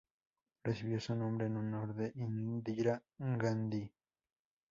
Recibió su nombre en honor de Indira Gandhi.